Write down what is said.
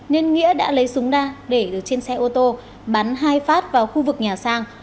nên nghĩa đã lấy súng đa để trên xe ô tô bắn hai phát vào khu vực nhà sang